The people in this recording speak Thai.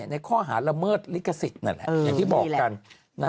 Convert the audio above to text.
ในข้อหาละเมิดลิขสิทธิ์นั่นแหละอย่างที่บอกกัน